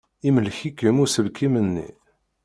Imlek-ikem uselkim-nni.